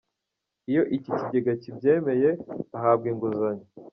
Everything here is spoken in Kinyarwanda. Iyo iki kigega kibyemeye ahabwa inguzanyo.